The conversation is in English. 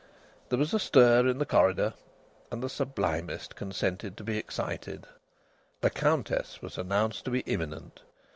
There was a stir in the corridor, and the sublimest consented to be excited. The Countess was announced to be imminent.